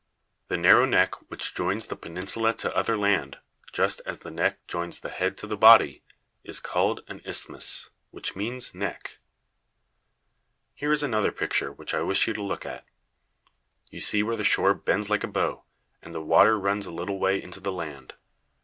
The narrow neck which joins the peninsula to other land just as the neck joins the head to the body is called an isthmus, which means neck. [Illustration: PICTURE OF A BAY.] Here is another picture which I wish you to look at. You see where the shore bends like a bow; and the water runs a little way into the land.